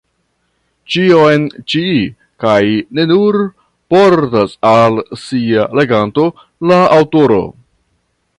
Ĉion ĉi, kaj ne nur, portas al sia leganto la aŭtoro.